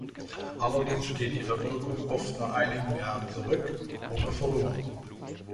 Allerdings geht ihre Wirkung oft nach einigen Jahren zurück oder verloren.